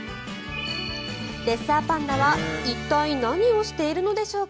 レッサーパンダは一体何をしているのでしょうか。